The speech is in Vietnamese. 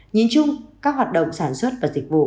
nhìn chung các hoạt động sản xuất và dịch vụ